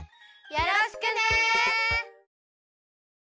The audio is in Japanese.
よろしくね！